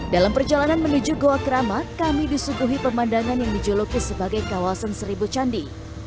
dalam perjalanan menuju goa keramat kami disuguhi pemandangan yang dijelupi sebagai kawasan seribu candi